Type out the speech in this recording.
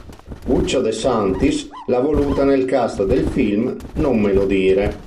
Uccio De Santis l'ha voluta nel cast del film "Non me lo dire".